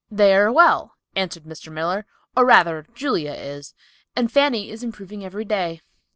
"They are well," answered Mr. Miller, "or rather Julia is, and Fanny is improving every day."